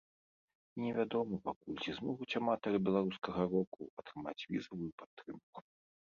І не вядома пакуль, ці змогуць аматары беларускага року атрымаць візавую падтрымку.